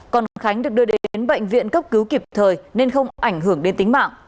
còn khánh được đưa đến bệnh viện cấp cứu kịp thời nên không ảnh hưởng đến tính mạng